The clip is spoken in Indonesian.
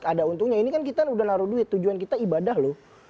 ada untungnya ini kan kita udah naruh duit tujuan kita ibadah loh